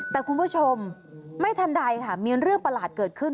แต่คุณผู้ชมไม่ทันใดค่ะมีเรื่องประหลาดเกิดขึ้น